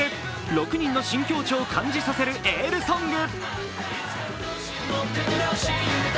６人の新境地を感じさせるエールソング。